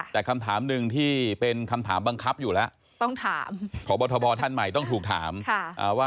แต่คำถามหนึ่งที่เป็นคำถามบังคับอยู่แล้ว